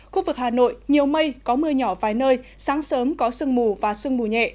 khu vực hà nội nhiều mây có mưa nhỏ vài nơi sáng sớm có sương mù và sương mù nhẹ